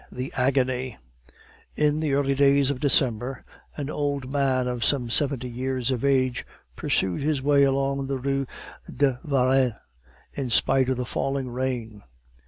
THE AGONY In the early days of December an old man of some seventy years of age pursued his way along the Rue de Varenne, in spite of the falling rain.